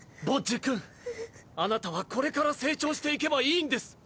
ボッジ君あなたはこれから成長していけばいいんです。